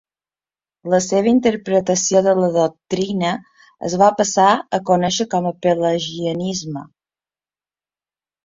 La seva interpretació de la doctrina es va passar a conèixer com a pelagianisme.